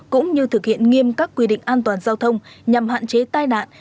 cũng như thực hiện nghiêm các quy định an toàn giao thông nhằm hạn chế tai nạn